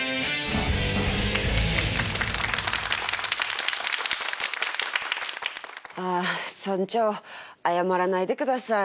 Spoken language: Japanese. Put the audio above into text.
だから村長謝らないでください。